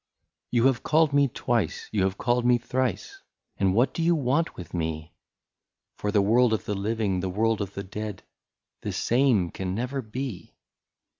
" You have called me twice, you have called me thrice, And what do you want with me ? For the world of the living, the world of the dead, The same can never be